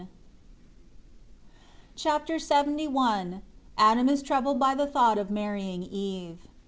Chapter LXXI Adam is troubled by the thought of marrying Eve.